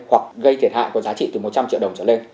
hoặc gây thiệt hại có giá trị từ một trăm linh triệu đồng trở lên